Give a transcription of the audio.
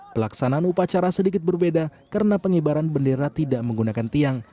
pelaksanaan upacara sedikit berbeda karena pengibaran bendera tidak menggunakan tiang